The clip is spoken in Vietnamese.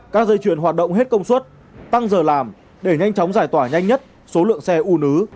các dây chuyền hoạt động hết công suất tăng giờ làm để nhanh chóng giải tỏa nhanh nhất số lượng xe u nứ